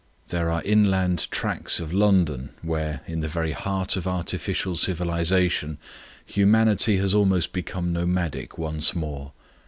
There are inland tracts of London where, in the very heart of artificial civilization, humanity has almost become nomadic once more.